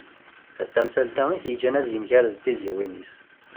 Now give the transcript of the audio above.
D tamsalt-a i t-yeǧǧan ad yemgired d tiziwin-is.